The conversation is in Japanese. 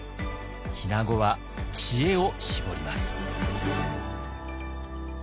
日名子は知恵を絞ります。